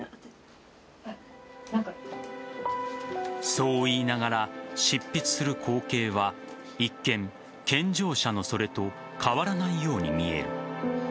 そう言いながら執筆する光景は一見、健常者のそれと変わらないように見える。